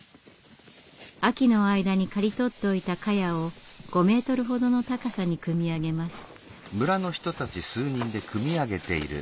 秋の間に刈り取っておいたかやを５ｍほどの高さに組み上げます。